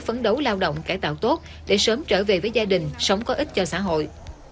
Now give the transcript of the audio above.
phấn đấu lao động cải tạo tốt để sớm trở về với gia đình sống có ích cho xã hội